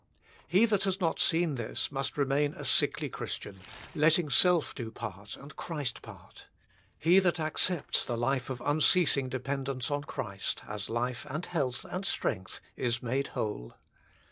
He that has not seen this must remain a sickly Christian, letting self do part and Christ part. He that accepts the life of unceasing dependence on Christ, as life and health and strength, is made whole.